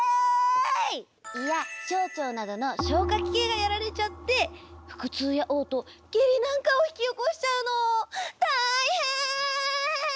胃や小腸などの消化器系がやられちゃって腹痛やおう吐下痢なんかを引き起こしちゃうの。